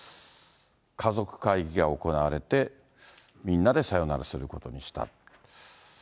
家族会議が行われて、みんなでさよならすることにした。